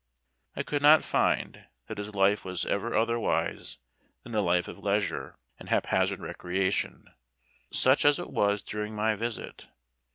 I could not find that his life was ever otherwise than a life of leisure and haphazard recreation, such as it was during my visit.